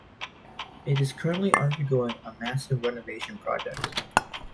It is currently undergoing a massive renovation project.